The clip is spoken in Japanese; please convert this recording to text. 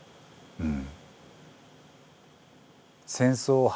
うん。